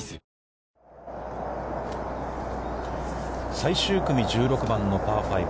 最終組、１６番のパー５。